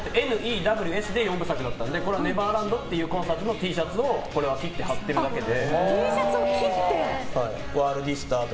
４部作だったのでこれはネバーランドっていうコンサートのＴシャツを切って貼ってるだけで。